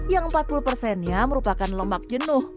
yang empat puluh persennya merupakan lemak jenuh